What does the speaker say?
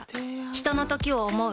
ひとのときを、想う。